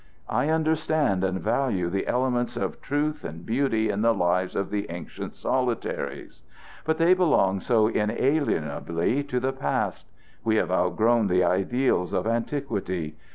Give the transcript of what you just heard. I understand and value the elements of truth and beauty in the lives of the ancient solitaries. But they belong so inalienably to the past. We have outgrown the ideals of antiquity.